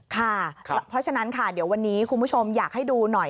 ค่ะเพราะฉะนั้นค่ะเดี๋ยววันนี้คุณผู้ชมอยากให้ดูหน่อย